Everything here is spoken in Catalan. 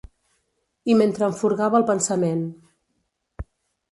I mentre em furgava el pensament